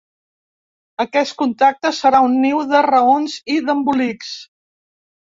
Aquest contracte serà un niu de raons i d'embolics.